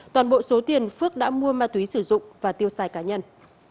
toàn bộ số tiền phước đã mua ma túy sử dụng và tiêu xài cá nhân